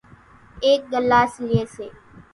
ايڪ ڳلاس لئي سي